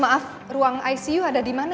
maaf ruang icu ada di mana